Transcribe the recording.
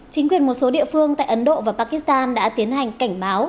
chính quyền một số địa phương tại ấn độ và pakistan đã tiến hành cảnh báo